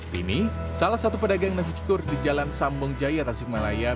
kini salah satu pedagang nasi cikur di jalan sambong jaya tasikmalaya